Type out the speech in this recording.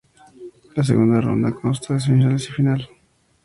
La segunda ronda consta de semifinales y final.